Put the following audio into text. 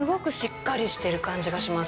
すごくしっかりしてる感じがします。